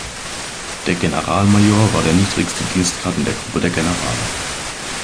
Der Generalmajor war der niedrigste Dienstgrad in der Gruppe der Generale.